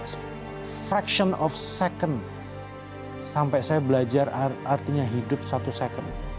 sejumlah sekundi sampai saya belajar artinya hidup satu sekundi